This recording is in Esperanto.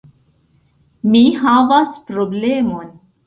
Mi havas problemon.